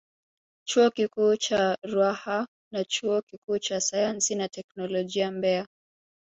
Chuo Kikuu cha Ruaha na Chuo Kikuu cha Sayansi na Teknolojia Mbeya